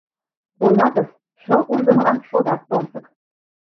Ойлатыс, шыл уждымылан шодат томсык.